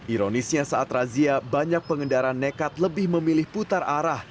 ironisnya saat razia banyak pengendara nekat lebih memilih putar arah